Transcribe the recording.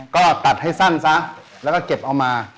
ก็ตัดให้สั้นซะแล้วก็เก็บเอามา